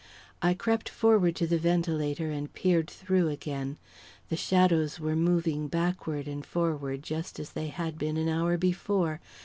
I crept forward to the ventilator and peered through again. The shadows were moving backward and forward, just as they had been an hour before.